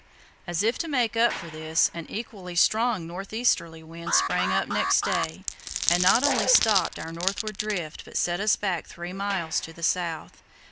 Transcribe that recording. As if to make up for this, an equally strong north easterly wind sprang up next day, and not only stopped our northward drift but set us back three miles to the south.